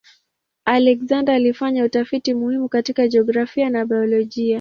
Alexander alifanya utafiti muhimu katika jiografia na biolojia.